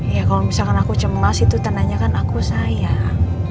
ya kalau misalkan aku cemas itu tandanya kan aku sayang